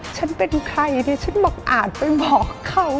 ฉันเป็นใครปลอกอาจไปบอกเขา